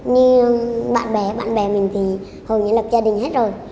như bạn bè bạn bè mình thì hầu như lập gia đình hết rồi